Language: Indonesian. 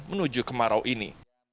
menuju kemarau ini